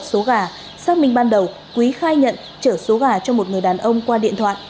số gà xác minh ban đầu quý khai nhận chở số gà cho một người đàn ông qua điện thoại